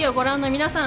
皆さん